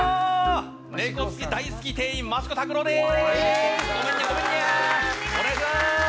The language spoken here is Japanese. ネコ大好き店員益子卓郎です！